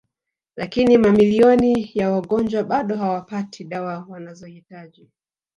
Lakini mamilioni ya wagonjwa bado hawapati dawa wanazohitaji